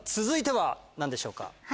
続いては何でしょうか？